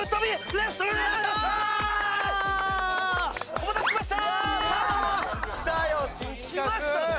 お待たせしました。